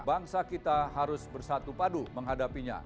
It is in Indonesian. bangsa kita harus bersatu padu menghadapinya